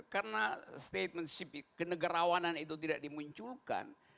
karena statements kenegarawanan itu tidak dimunculkan